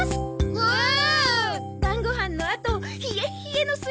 おお！